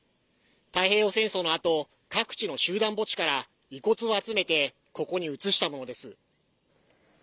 太平洋戦争のあと各地の集団墓地から遺骨を集めてここに移したものです。